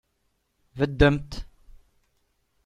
Beddemt!